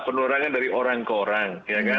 penularan dari orang ke orang